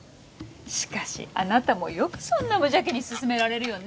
しかしあなたもよくそんな無邪気に勧められるよね